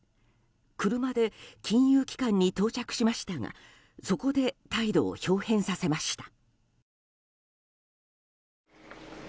車で金融機関に到着しましたがそこで態度を豹変させました。